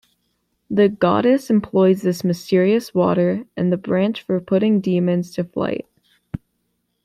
The Goddess employs this mysterious water and the branch for putting demons to flight.